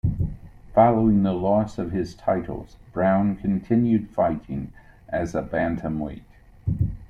Following the loss of his titles, Brown continued fighting as a bantamweight.